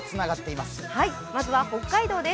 まずは北海道です。